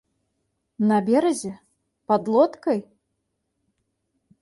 На беразе, пад лодкай?